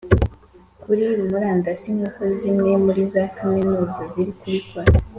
kuri murandasi nk'uko zimwe muri za kaminuza ziri kubikora,